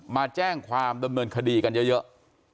มาแจ้งความดำเนินคดีกันเยอะ